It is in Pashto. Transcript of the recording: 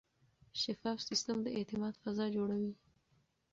شفاف سیستم د اعتماد فضا جوړوي.